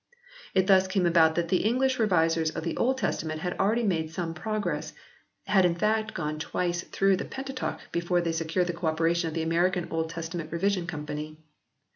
It thus came about that the English revisers of the Old Testament had already made some progress, had in fact gone twice through the 126 HISTORY OF THE ENGLISH BIBLE [OH. Pentateuch before they secured the co operation of the American Old Testament Revision Company.